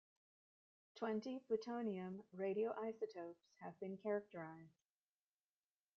Twenty plutonium radioisotopes have been characterized.